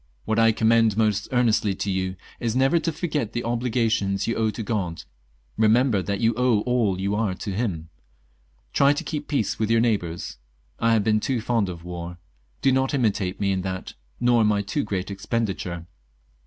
What I commend most earnestly to you is never to forget the obligations you owe to God. Eemember that you owe all you are to Him. Try to keep peace with your neighbours ; I have been too fond of war, do not imitate me in that, nor in my too great expenditure."